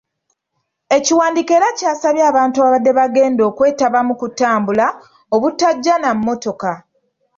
Ekiwandiiko era kyasabye abantu ababadde bagenda okwetaba mu kutambula, obutajja na mmotoka.